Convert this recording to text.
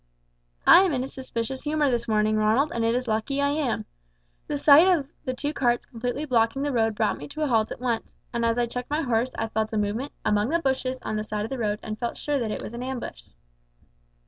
"I am in a suspicious humour this morning, Ronald, and it is lucky I am. The sight of the two carts completely blocking the road brought me to a halt at once, and as I checked my horse I saw a movement among the bushes on the right of the road, and felt sure that it was an ambush.